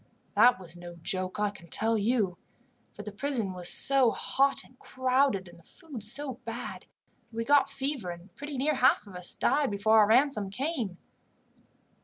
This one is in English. That was no joke, I can tell you, for the prison was so hot and crowded, and the food so bad, that we got fever, and pretty near half of us died before our ransom came.